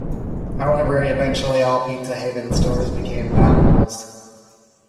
However, eventually all Pizza Haven stores became Domino's.